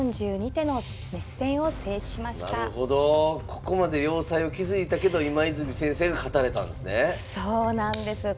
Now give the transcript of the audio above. ここまで要塞を築いたけど今泉先生が勝たれたんですね。